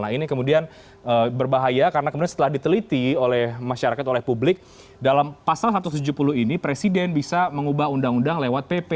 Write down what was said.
nah ini kemudian berbahaya karena kemudian setelah diteliti oleh masyarakat oleh publik dalam pasal satu ratus tujuh puluh ini presiden bisa mengubah undang undang lewat pp